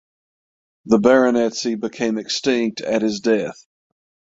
The Baronetcy became extinct at his death.